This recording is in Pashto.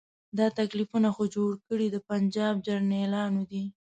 دا تکلیفونه خو جوړ کړي د پنجاب جرنیلانو دي.